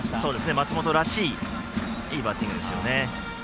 松本らしいいいバッティングですよね。